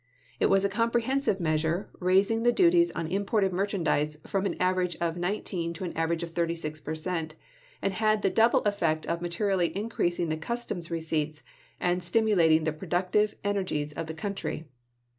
It was a comprehensive measure, raising the duties on imported merchandise from an average of nine teen to an average of thirty six per cent., and had the double effect of materially increasing the cus toms receipts and stimulating the productive en ergies of the country.